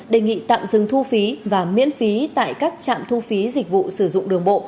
đề nghị tạm dừng thu phí và miễn phí tại các trạm thu phí dịch vụ sử dụng đường bộ